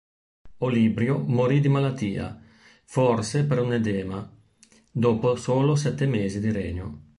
Olibrio morì di malattia, forse per un edema, dopo solo sette mesi di regno.